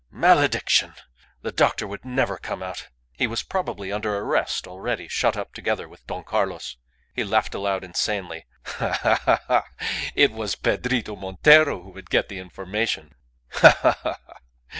Malediction! The doctor would never come out. He was probably under arrest already, shut up together with Don Carlos. He laughed aloud insanely. Ha! ha! ha! ha! It was Pedrito Montero who would get the information. Ha! ha! ha!